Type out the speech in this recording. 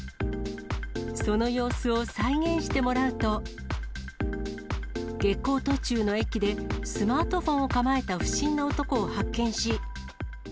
その様子を再現してもらうと、下校途中の駅で、スマートフォンを構えた不審な男を発見し。